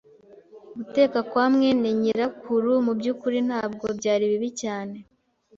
Guteka kwa mwene nyirakuru mubyukuri ntabwo byari bibi cyane.